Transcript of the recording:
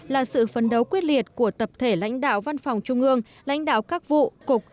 là sự phấn đấu quyết liệt của tập thể lãnh đạo văn phòng trung ương lãnh đạo các vụ cục